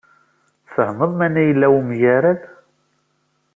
Tfehmed mani yella wemgerrad?